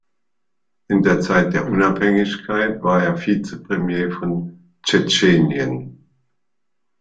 In der Zeit der Unabhängigkeit war er Vizepremier von Tschetschenien.